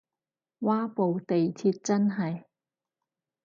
嘩部地鐵真係